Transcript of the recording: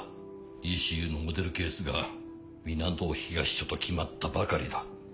ＥＣＵのモデルケースが港東署と決まったばかりだ。